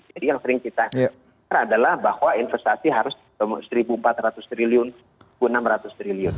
jadi yang sering kita cakap adalah bahwa investasi harus seribu empat ratus triliun seribu enam ratus triliun